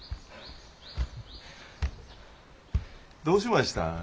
どうしました？